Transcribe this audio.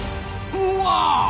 うわ！